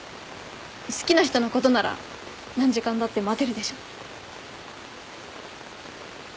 好きな人のことなら何時間だって待てるでしょ？